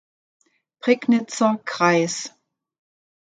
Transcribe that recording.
Prignitzer Kreis.